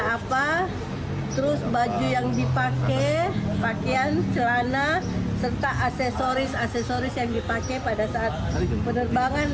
bagian kakas kira kira apa terus baju yang dipakai pakaian celana serta aksesoris aksesoris yang dipakai pada saat penerbangan